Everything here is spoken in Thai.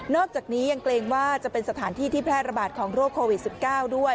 อกจากนี้ยังเกรงว่าจะเป็นสถานที่ที่แพร่ระบาดของโรคโควิด๑๙ด้วย